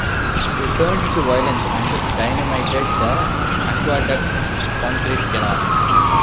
They turned to violence and dynamited the aqueduct's concrete canal.